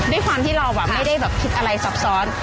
ด้วยความที่เราแบบไม่ได้แบบคิดอะไรซับซ้อน